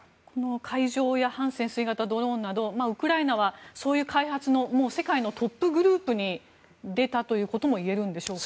海上や半潜水型ドローンなどウクライナはそういう開発の世界のトップグループに出たということも言えるんでしょうか。